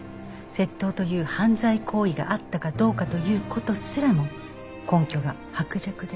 窃盗という犯罪行為があったかどうかという事すらも根拠が薄弱です。